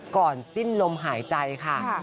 ก่อนสิ้นลมหายใจค่ะ